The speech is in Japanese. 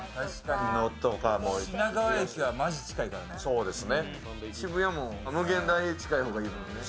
品川駅はマジ近いからね。